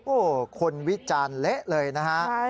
โอ้คนวิจารณ์เละเลยนะครับ